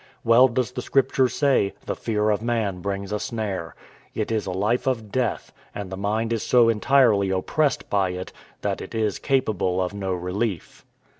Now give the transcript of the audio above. Well does the Scripture say, "The fear of man brings a snare"; it is a life of death, and the mind is so entirely oppressed by it, that it is capable of no relief.